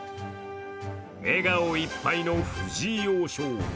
笑顔いっぱいの藤井王将。